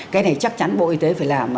cái này chắc chắn bộ y tế phải làm